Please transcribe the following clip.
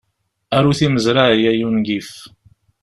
Aru timezray, ay ungif!